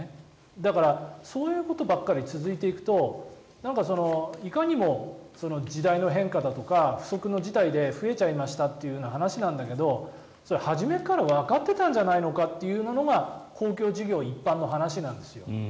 だから、そういうことばっかり続いていくといかにも時代の変化だとか不測の事態で増えちゃいましたっていう話なんだけど初めからわかってたんじゃないのというのが公共事業一般の話なんです。